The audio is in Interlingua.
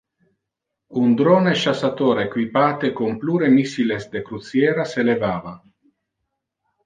Un drone chassator equipate con plure missiles de cruciera se levava.